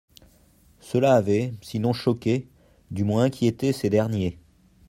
Cela avait, sinon choqué, du moins inquiété ces derniers.